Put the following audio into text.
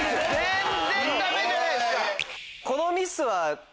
全然ダメじゃないっすか！